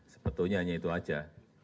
sebetulnya hanya itu saja